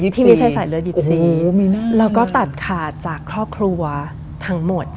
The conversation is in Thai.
โหมีน่าแล้วก็ตัดขาดจากครอบครัวทั้งหมด